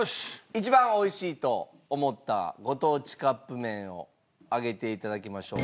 一番美味しいと思ったご当地カップ麺を上げて頂きましょう。